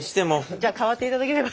じゃあ代わっていただければ。